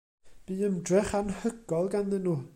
Bu ymdrech anhygoel ganddyn nhw.